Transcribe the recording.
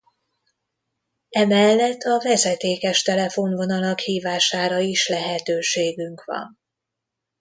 Emellett a vezetékes telefonvonalak hívására is lehetőségünk van.